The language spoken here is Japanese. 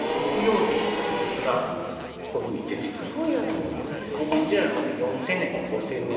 こういうふうに出て来ます。